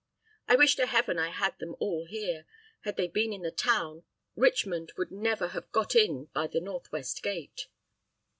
I wish to Heaven I had them all here. Had they been in the town, Richmond would never have got in by the northwest gate."